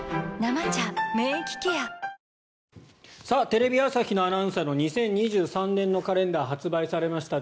テレビ朝日のアナウンサーの２０２３年のカレンダー発売されました。